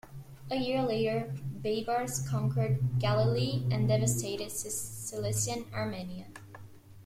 A year later, Baibars conquered Galilee and devastated Cilician Armenia.